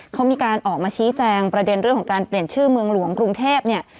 เขามีการออกมาชี้แจงประเด็นเรื่องของการเปลี่ยนชื่อเมืองหลวงกรุงเทพเนี่ย